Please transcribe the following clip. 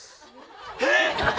えっ！？